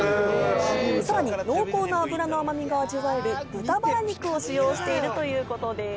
さらに濃厚な脂の甘みが味わえる豚バラ肉を使用しているということです。